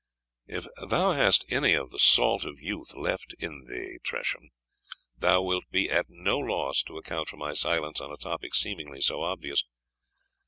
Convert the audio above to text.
If thou hast any of the salt of youth left in thee, Tresham, thou wilt be at no loss to account for my silence on a topic seemingly so obvious.